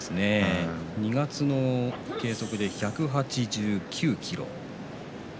２月の計測で１８９ｋｇ。